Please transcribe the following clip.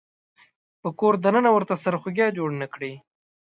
په کور د ننه ورته سرخوږی جوړ نه کړي.